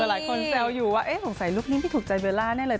หลายคนแซวอยู่ว่าสงสัยลูกนิ่มที่ถูกใจเบลล่าแน่เลย